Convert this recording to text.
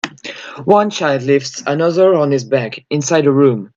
One child lifts another on his back, inside a room.